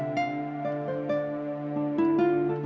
ya ya temen ya